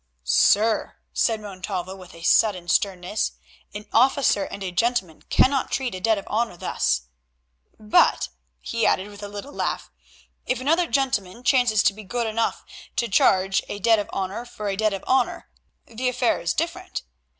"Sir," said Montalvo, with a sudden sternness, "an officer and a gentleman cannot treat a debt of honour thus; but," he added with a little laugh, "if another gentleman chances to be good enough to charge a debt of honour for a debt of honour, the affair is different.